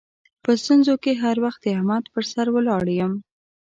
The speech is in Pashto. په ستونزو کې هر وخت د احمد پر سر ولاړ یم.